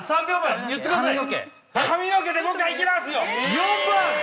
４番！